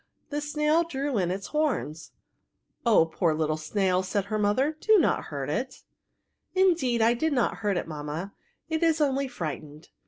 The snail drew in its horns. " Oh, poor little snail,'* said her mother, do not hurt it." " Indeed, I did not hiut it, mammaj it is only frightened.